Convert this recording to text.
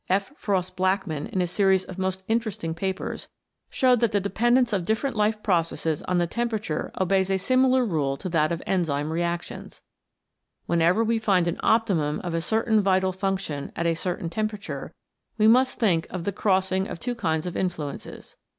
F. Frost Blackman, in a series of most interesting papers, showed that the dependence of different life 105 CHEMICAL PHENOMENA IN LIFE processes on the temperature obeys a similar rule to that of enzyme reactions. Whenever we find an Optimum of a certain vital function at a certain temperature we must think of the crossing of two kinds of influences.